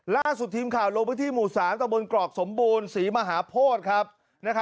ลาซุทิมข่าวลงไปที่หมู่๓กระบวนเกราะสมบูรณ์สีมหาโพธย์